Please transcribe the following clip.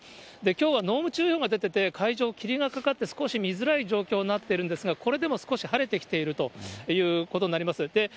きょうは濃霧注意報が出てて、海上、霧がかかって少し見づらい状況になっているんですが、これでも少し晴れてきているということになります。